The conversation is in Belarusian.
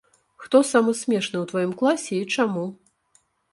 Хто самы смешны ў тваім класе і чаму?